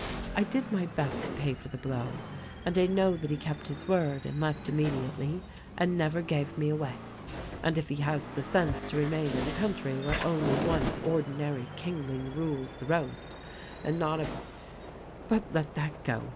"I did my best to pay for the blow, and I know that he kept his word and left immediately and never gave me away ; and if he has the sense to remain in a country where only one ordinary kingling rules the roast, and not a — but let that go!